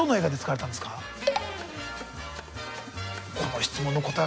この質問の答え